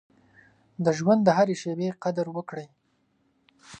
د ژوند د هرې شېبې قدر وکړئ.